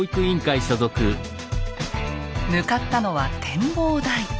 向かったのは展望台。